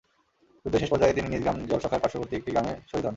যুদ্ধের শেষ পর্যায়ে তিনি নিজ গ্রাম জলসখার পার্শ্ববর্তী একটি গ্রামে শহীদ হন।